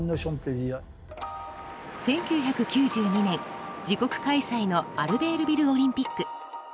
１９９２年自国開催のアルベールビルオリンピック。